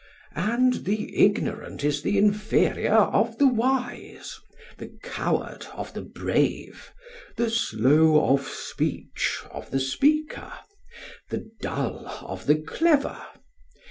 And the ignorant is the inferior of the wise, the coward of the brave, the slow of speech of the speaker, the dull of the clever.